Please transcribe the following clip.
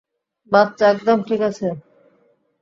বাচ্চা একদম ঠিক আছে।